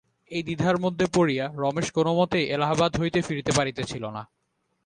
এই দ্বিধার মধ্যে পড়িয়া রমেশ কোনোমতেই এলাহাবাদ হইতে ফিরিতে পারিতেছিল না।